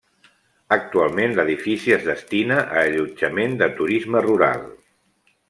Actualment l'edifici es destina a allotjament de turisme rural.